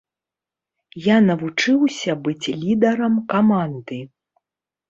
Я навучыўся быць лідарам каманды.